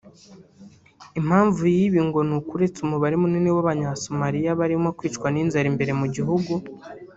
Impamvu y’ibi ngo nuko uretse umubare munini w’Abanyasomalia barimo kwicwa n’inzara imbere mu gihugu